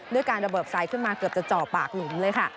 ด้วยการระเบิดไฟขึ้นมาเกือบจะจ่อปากหลุมเลยค่ะ